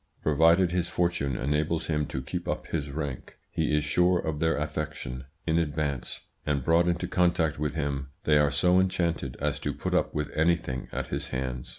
"Provided his fortune enables him to keep up his rank, he is sure of their affection in advance, and brought into contact with him they are so enchanted as to put up with anything at his hands.